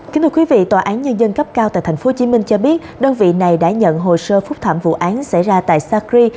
kính thưa quý vị tòa án nhân dân cấp cao tại tp hcm cho biết đơn vị này đã nhận hồ sơ phúc thảm vụ án xảy ra tại sacri